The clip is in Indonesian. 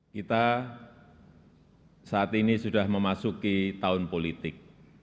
kita saat ini sudah memasuki tahun politik